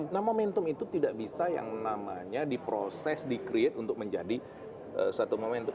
nah momentum itu tidak bisa yang namanya diproses di create untuk menjadi satu momentum